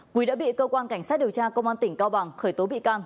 quý đã bị cơ quan cảnh sát điều tra công an tỉnh cao bằng khởi tố bị can